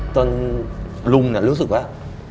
จนลุงรู้สึกว่า